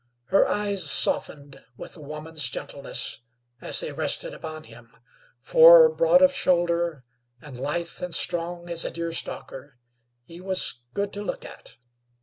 Her eyes softened with a woman's gentleness as they rested upon him, for, broad of shoulder, and lithe and strong as a deer stalker, he was good to look at.